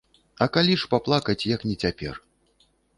А калі ж паплакаць, як не цяпер?